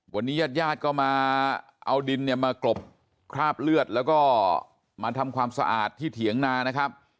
วันนี้ญาติญาติก็มาเอาดินเนี่ยมากรบคราบเลือดแล้วก็มาทำความสะอาดที่เถียงนานะครับ